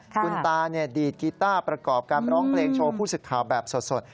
คุณตาดีดกีต้าประกอบการร้องเพลงโชว์ผู้สึกข่าวแบบสด